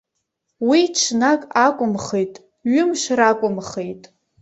Уи ҽнак акәымхеит, ҩымш ракәымхеит.